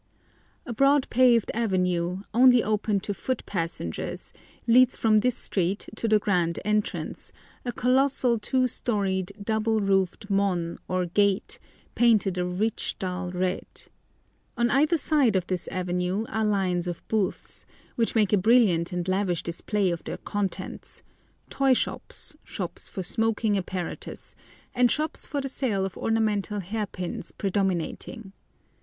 A broad paved avenue, only open to foot passengers, leads from this street to the grand entrance, a colossal two storied double roofed mon, or gate, painted a rich dull red. On either side of this avenue are lines of booths—which make a brilliant and lavish display of their contents—toy shops, shops for smoking apparatus, and shops for the sale of ornamental hair pins predominating.